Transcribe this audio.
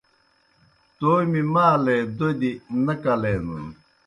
تومیْ مالے دوْدیْ نہ کلینَن